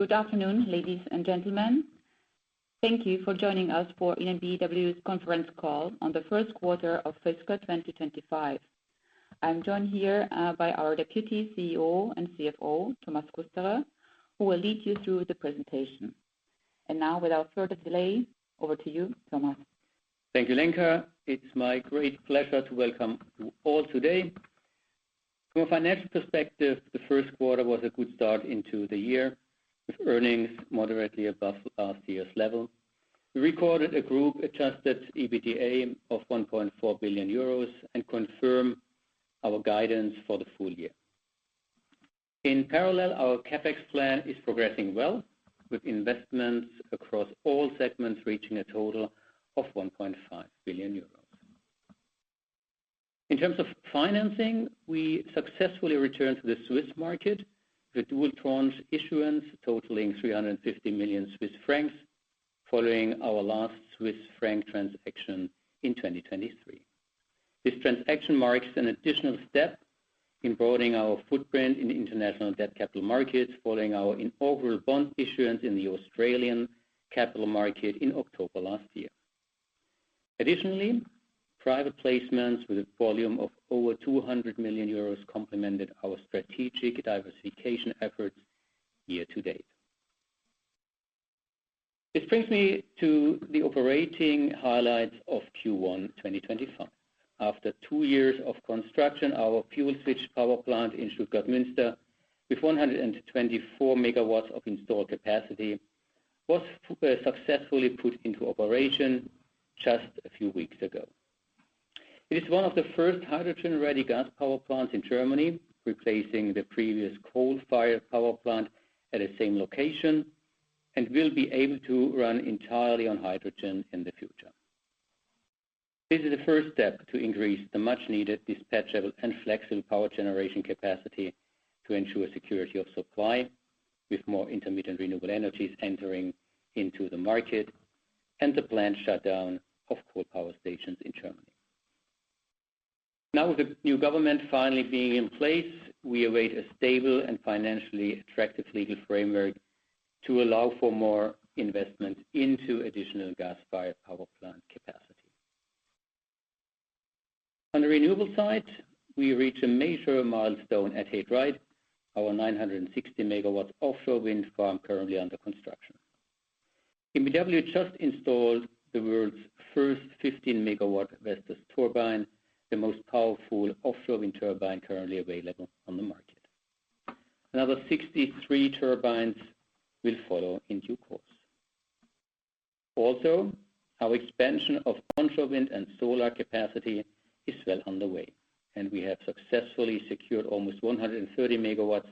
Good afternoon, ladies and gentlemen. Thank you for joining us for EnBW's Conference Call on the First Quarter of Fiscal 2025. I'm joined here by our Deputy CEO and CFO, Thomas Kusterer, who will lead you through the presentation. Now, without further delay, over to you, Thomas. Thank you, Lenka. It's my great pleasure to welcome you all today. From a financial perspective, the first quarter was a good start into the year, with earnings moderately above last year's level. We recorded a group-adjusted EBITDA of 1.4 billion euros and confirmed our guidance for the full year. In parallel, our CapEx plan is progressing well, with investments across all segments reaching a total of 1.5 billion euros. In terms of financing, we successfully returned to the Swiss market with a dual-tranche issuance totaling 350 million Swiss francs, following our last CHF transaction in 2023. This transaction marks an additional step in broadening our footprint in the international debt capital markets, following our inaugural bond issuance in the Australian capital market in October last year. Additionally, private placements with a volume of over 200 million euros complemented our strategic diversification efforts year to date. This brings me to the operating highlights of Q1 2025. After two years of construction, our fuel switch power plant in Stuttgart-Münster, with 124 MW of installed capacity, was successfully put into operation just a few weeks ago. It is one of the first hydrogen-ready gas power plants in Germany, replacing the previous coal-fired power plant at the same location, and will be able to run entirely on hydrogen in the future. This is a first step to increase the much-needed dispatchable and flexible power generation capacity to ensure security of supply, with more intermittent renewable energies entering into the market, and the planned shutdown of coal power stations in Germany. Now, with the new government finally being in place, we await a stable and financially attractive legal framework to allow for more investment into additional gas-fired power plant capacity. On the renewable side, we reached a major milestone at He Dreiht, our 960 MW offshore wind farm currently under construction. EnBW just installed the world's first 15 MW Vestas turbine, the most powerful offshore wind turbine currently available on the market. Another 63 turbines will follow in due course. Also, our expansion of onshore wind and solar capacity is well underway, and we have successfully secured almost 130 MW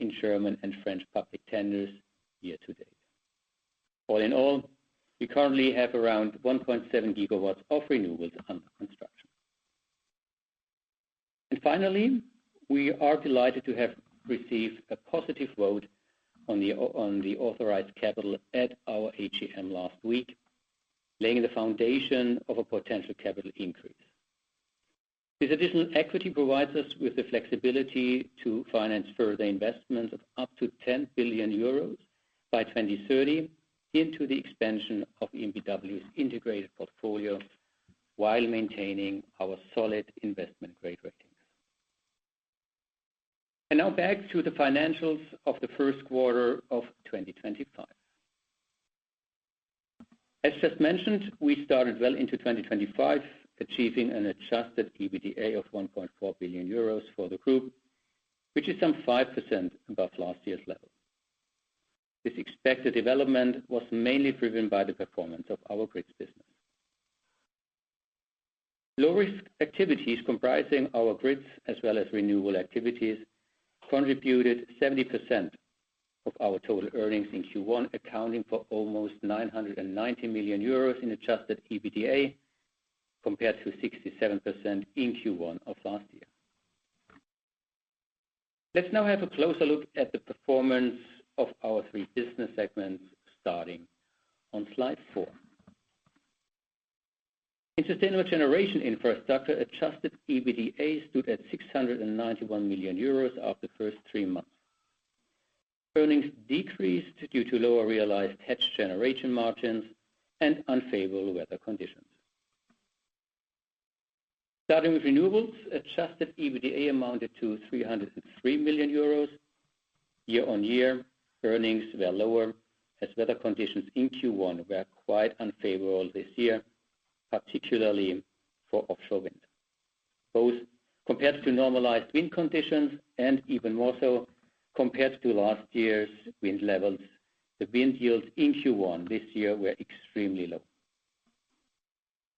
in German and French public tenders year to date. All in all, we currently have around 1.7 GW of renewables under construction. Finally, we are delighted to have received a positive vote on the authorized capital at our AGM last week, laying the foundation of a potential capital increase. This additional equity provides us with the flexibility to finance further investments of up to 10 billion euros by 2030 into the expansion of EnBW's integrated portfolio, while maintaining our solid investment-grade ratings. Now, back to the financials of the first quarter of 2025. As just mentioned, we started well into 2025, achieving an adjusted EBITDA of 1.4 billion euros for the group, which is some 5% above last year's level. This expected development was mainly driven by the performance of our grids business. Low-risk activities comprising our grids, as well as renewable activities, contributed 70% of our total earnings in Q1, accounting for almost 990 million euros in adjusted EBITDA, compared to 67% in Q1 of last year. Let's now have a closer look at the performance of our three business segments, starting on slide four. In sustainable generation infrastructure, adjusted EBITDA stood at 691 million euros after the first three months. Earnings decreased due to lower realized hedge generation margins and unfavorable weather conditions. Starting with renewables, adjusted EBITDA amounted to 303 million euros. Year-on-year, earnings were lower as weather conditions in Q1 were quite unfavorable this year, particularly for offshore wind. Compared to normalized wind conditions, and even more so compared to last year's wind levels, the wind yields in Q1 this year were extremely low.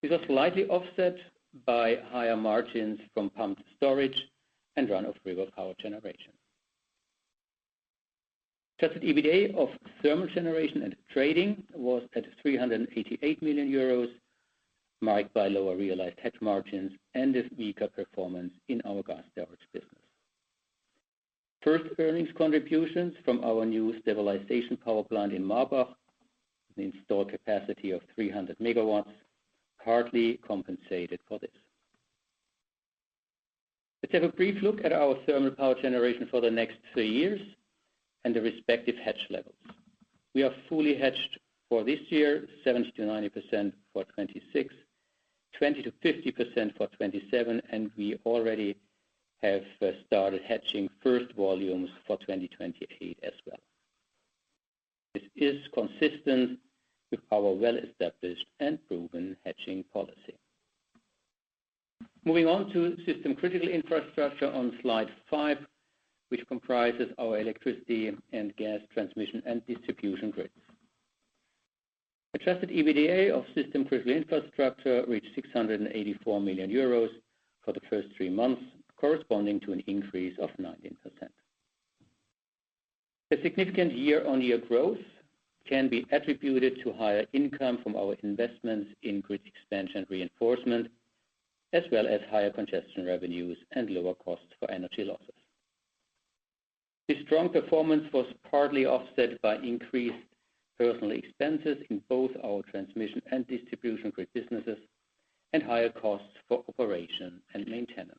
This was slightly offset by higher margins from pumped storage and run-of-river power generation. Adjusted EBITDA of thermal generation and trading was at 388 million euros, marked by lower realized hedge margins and a weaker performance in our gas storage business. First earnings contributions from our new stabilization power plant in Marbach, an installed capacity of 300 MW, partly compensated for this. Let's have a brief look at our thermal power generation for the next three years and the respective hedge levels. We are fully hedged for this year, 70%-90% for 2026, 20%-50% for 2027, and we already have started hedging first volumes for 2028 as well. This is consistent with our well-established and proven hedging policy. Moving on to system-critical infrastructure on slide five, which comprises our electricity and gas transmission and distribution grids. Adjusted EBITDA of system-critical infrastructure reached 684 million euros for the first three months, corresponding to an increase of 19%. The significant year-on-year growth can be attributed to higher income from our investments in grid expansion and reinforcement, as well as higher congestion revenues and lower costs for energy losses. This strong performance was partly offset by increased personnel expenses in both our transmission and distribution grid businesses and higher costs for operation and maintenance.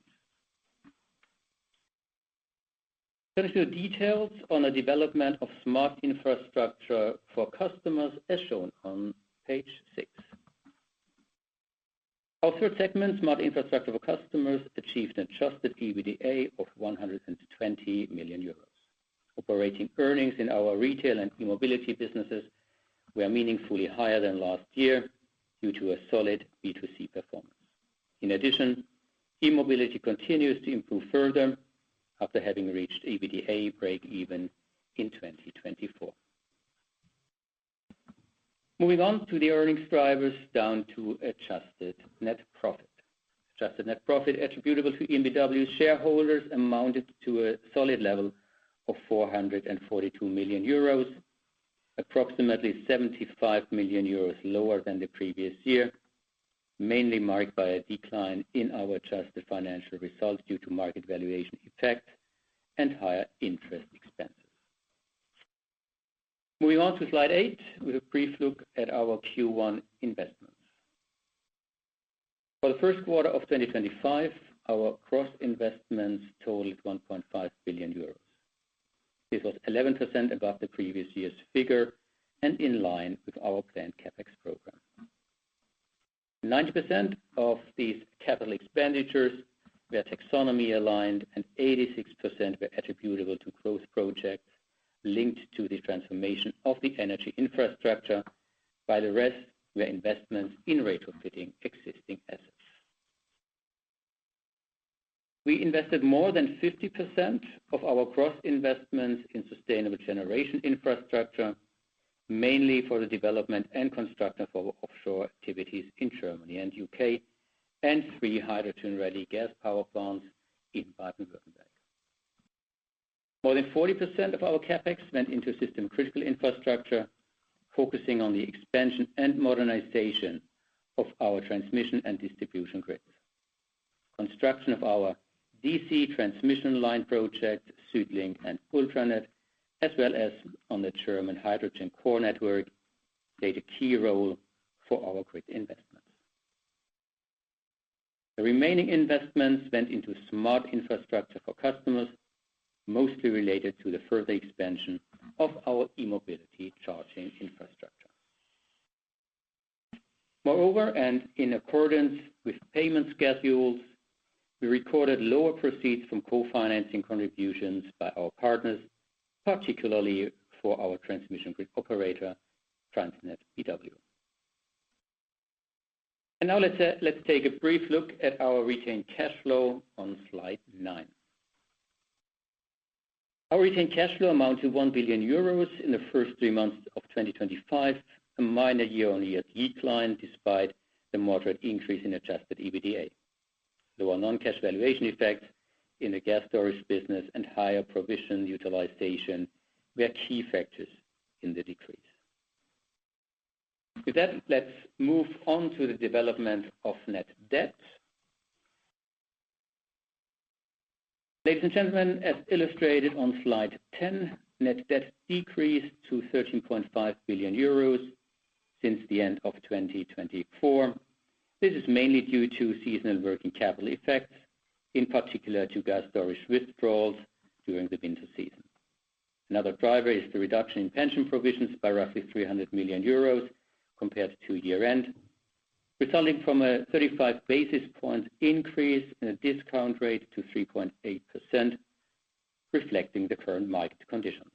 Turning to the details on the development of smart infrastructure for customers, as shown on page six. Our third segment, smart infrastructure for customers, achieved an adjusted EBITDA of 120 million euros. Operating earnings in our retail and e-mobility businesses were meaningfully higher than last year due to a solid B2C performance. In addition, e-mobility continues to improve further after having reached EBITDA break-even in 2024. Moving on to the earnings drivers, down to adjusted net profit. Adjusted net profit attributable to EnBW shareholders amounted to a solid level of 442 million euros, approximately 75 million euros lower than the previous year, mainly marked by a decline in our adjusted financial result due to market valuation effect and higher interest expenses. Moving on to slide eight, with a brief look at our Q1 investments. For the first quarter of 2025, our cross-investments totaled 1.5 billion euros. This was 11% above the previous year's figure and in line with our planned CapEx program. 90% of these capital expenditures were taxonomy aligned, and 86% were attributable to growth projects linked to the transformation of the energy infrastructure. By the rest, there were investments in retrofitting existing assets. We invested more than 50% of our cross-investments in sustainable generation infrastructure, mainly for the development and construction of our offshore activities in Germany and the U.K., and three hydrogen-ready gas power plants in Baden-Württemberg. More than 40% of our CapEx went into system-critical infrastructure, focusing on the expansion and modernization of our transmission and distribution grids. Construction of our DC transmission line project, SuedLink and Ultranet, as well as on the German hydrogen core network, played a key role for our grid investments. The remaining investments went into smart infrastructure for customers, mostly related to the further expansion of our e-mobility charging infrastructure. Moreover, and in accordance with payment schedules, we recorded lower proceeds from co-financing contributions by our partners, particularly for our transmission grid operator, TransnetBW. Now, let's take a brief look at our retained cash flow on slide nine. Our retained cash flow amounted to 1 billion euros in the first three months of 2025, a minor year-on-year decline despite the moderate increase in adjusted EBITDA. Lower non-cash valuation effects in the gas storage business and higher provision utilization were key factors in the decrease. With that, let's move on to the development of net debt. Ladies and gentlemen, as illustrated on slide ten, net debt decreased to 13.5 billion euros since the end of 2024. This is mainly due to seasonal working capital effects, in particular to gas storage withdrawals during the winter season. Another driver is the reduction in pension provisions by roughly 300 million euros compared to year-end, resulting from a 35 basis points increase in the discount rate to 3.8%, reflecting the current market conditions.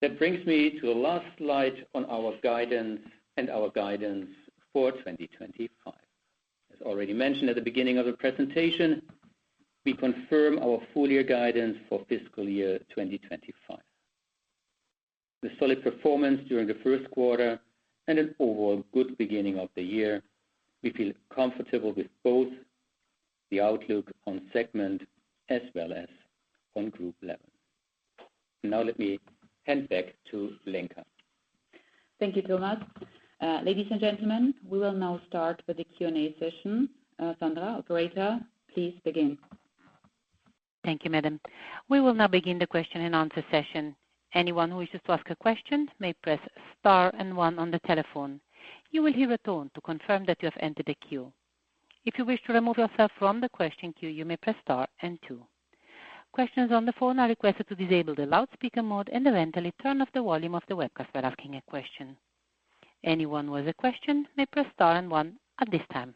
That brings me to the last slide on our guidance and our guidance for 2025. As already mentioned at the beginning of the presentation, we confirm our full-year guidance for fiscal year 2025. With solid performance during the first quarter and an overall good beginning of the year, we feel comfortable with both the outlook on segment as well as on group level. Now, let me hand back to Lenka. Thank you so much. Ladies and gentlemen, we will now start with the Q&A session. Sandra, operator, please begin. Thank you, Madam. We will now begin the Q&A session. Anyone who wishes to ask a question may press star and one on the telephone. You will hear a tone to confirm that you have entered the queue. If you wish to remove yourself from the question queue, you may press star and two. Questions on the phone are requested to disable the loudspeaker mode and eventually turn off the volume of the webcast while asking a question. Anyone with a question may press star and one at this time.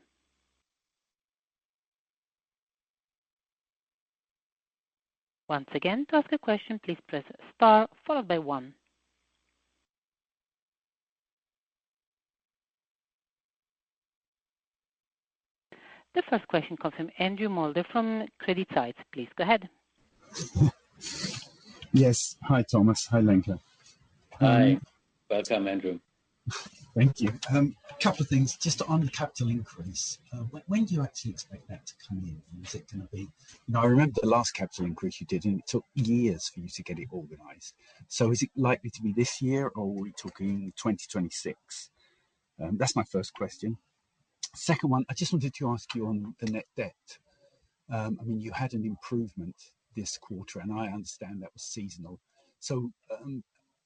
Once again, to ask a question, please press star followed by one. The first question comes from Andrew Molde from Credit Suisse. Please go ahead. Yes. Hi, Thomas. Hi, Lenka. Hi. Welcome, Andrew. Thank you. A couple of things. Just on the capital increase, when do you actually expect that to come in? Is it going to be? I remember the last capital increase you did, and it took years for you to get it organized. Is it likely to be this year, or are we talking 2026? That is my first question. Second, I just wanted to ask you on the net debt. I mean, you had an improvement this quarter, and I understand that was seasonal.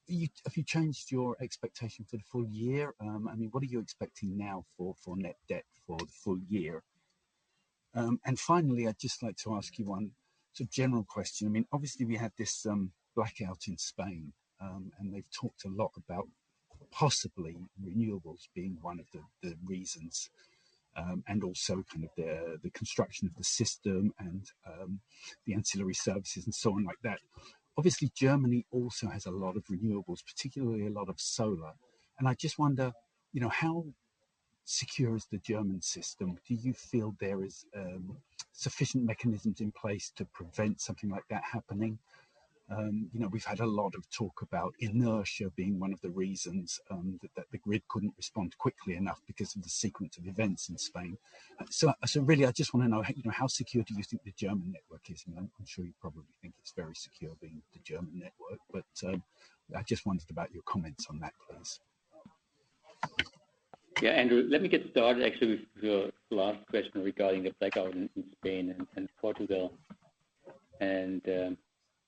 Have you changed your expectation for the full year? I mean, what are you expecting now for net debt for the full year? Finally, I would just like to ask you one sort of general question. Obviously, we had this blackout in Spain, and they have talked a lot about possibly renewables being one of the reasons, and also kind of the construction of the system and the ancillary services and so on like that. Obviously, Germany also has a lot of renewables, particularly a lot of solar. I just wonder, how secure is the German system? Do you feel there are sufficient mechanisms in place to prevent something like that happening? We've had a lot of talk about inertia being one of the reasons that the grid could not respond quickly enough because of the sequence of events in Spain. I just want to know, how secure do you think the German network is? I'm sure you probably think it's very secure being the German network, but I just wondered about your comments on that, please. Yeah, Andrew, let me get started actually with your last question regarding the blackout in Spain and Portugal, and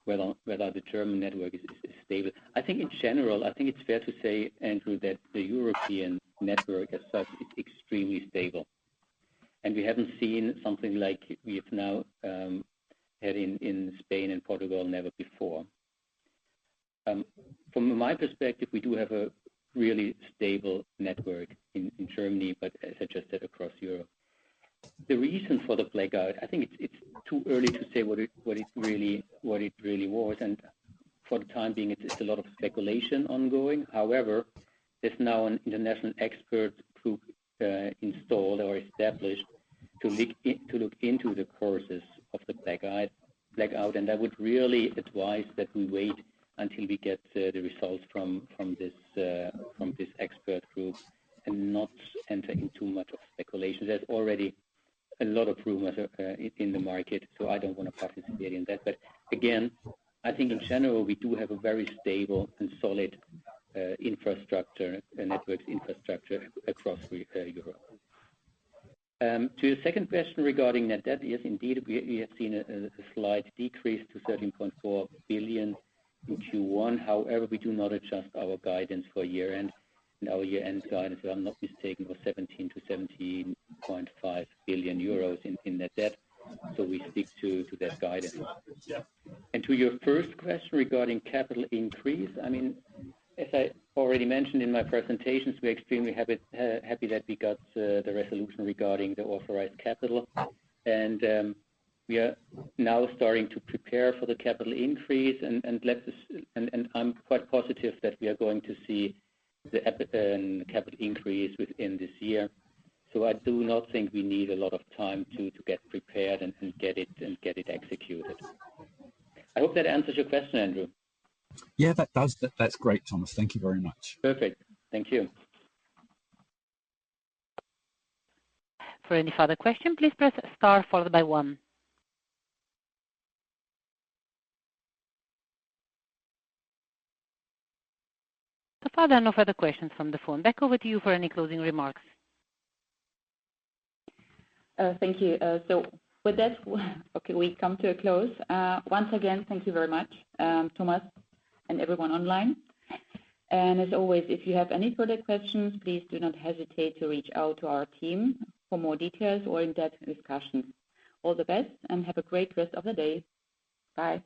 whether the German network is stable. I think in general, I think it's fair to say, Andrew, that the European network as such is extremely stable. We have not seen something like we have now had in Spain and Portugal never before. From my perspective, we do have a really stable network in Germany, but as I just said, across Europe. The reason for the blackout, I think it's too early to say what it really was. For the time being, it's a lot of speculation ongoing. However, there's now an international expert group installed or established to look into the causes of the blackout. I would really advise that we wait until we get the results from this expert group and not enter into much of speculation. There's already a lot of rumors in the market, so I don't want to participate in that. Again, I think in general, we do have a very stable and solid network infrastructure across Europe. To your second question regarding net debt, yes, indeed, we have seen a slight decrease to 13.4 billion in Q1. However, we do not adjust our guidance for year-end. Our year-end guidance, if I'm not mistaken, was 17 billion-17.5 billion euros in net debt. We stick to that guidance. To your first question regarding capital increase, I mean, as I already mentioned in my presentations, we're extremely happy that we got the resolution regarding the authorized capital. We are now starting to prepare for the capital increase. I'm quite positive that we are going to see the capital increase within this year. I do not think we need a lot of time to get prepared and get it executed. I hope that answers your question, Andrew. Yeah, that does. That's great, Thomas. Thank you very much. Perfect. Thank you. For any further questions, please press star followed by one. So far, there are no further questions from the phone. Back over to you for any closing remarks. Thank you. With that, we come to a close. Once again, thank you very much, Thomas and everyone online. As always, if you have any further questions, please do not hesitate to reach out to our team for more details or in-depth discussions. All the best and have a great rest of the day. Bye. Bye.